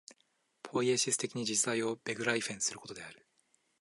ポイエシス的に実在をベグライフェンすることである。